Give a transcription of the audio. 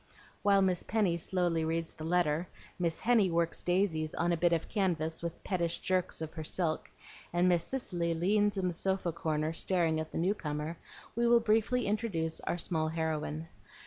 While Miss Penny slowly reads the letter, Miss Henny works daisies on a bit of canvas with pettish jerks of her silk, and Miss Cicely leans in the sofa corner, staring at the newcomer, we will briefly introduce our small heroine.